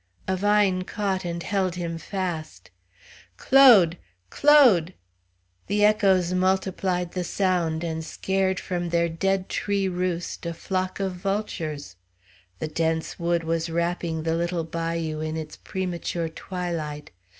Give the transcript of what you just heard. A vine caught and held him fast. "Claude! Claude!" The echoes multiplied the sound, and scared from their dead tree roost a flock of vultures. The dense wood was wrapping the little bayou in its premature twilight.